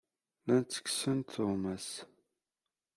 Llan ttekksen-d tuɣmas.